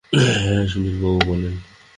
হ্যাঁঁ, সুনীল বাবু, বলেন।